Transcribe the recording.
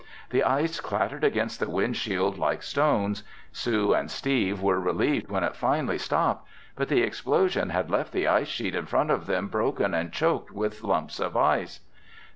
The ice clattered against the windshield like stones. Sue and Steve were relieved when it finally stopped. But the explosion had left the ice sheet in front of them broken and choked with lumps of ice.